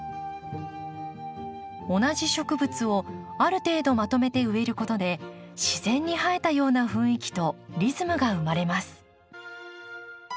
同じ植物をある程度まとめて植えることで自然に生えたような雰囲気とリズムが生まれます。